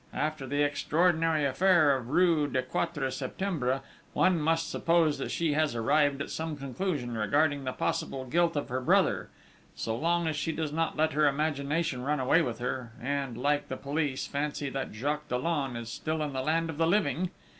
"After the extraordinary affair of rue du Quatre Septembre, one must suppose that she has arrived at some conclusion regarding the possible guilt of her brother ... so long as she does not let her imagination run away with her, and, like the police, fancy that Jacques Dollon is still in the land of the living?